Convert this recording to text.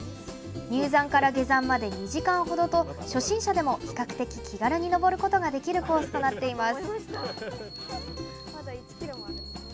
入山から下山まで２時間程と初心者でも比較的気軽に登ることができるコースとなっています。